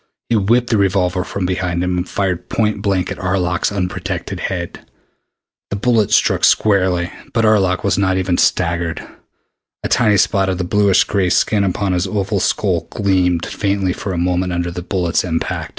He whipped the revolver from behind him and fired point blank at Arlok's unprotected head. The bullet struck squarely, but Arlok was not even staggered. A tiny spot of bluish gray skin upon his oval skull gleamed faintly for a moment under the bullet's impact.